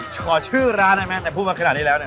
ช่อชื่อร้านได้ไหมให้ผมว่าขนาดนี้แล้ว